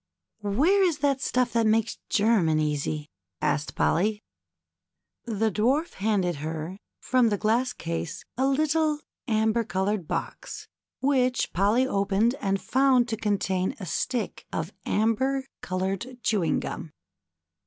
" Where is that stuff that makes German easy ?" asked Polly. The Dwarf handed her, from the glass case, a little amber colored box which Polly opened and found to con tain a stick of amber colored chewing gum.